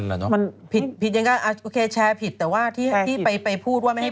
ถ้าแชร์ผิดแต่วันนี้เขาฐานแล้วได้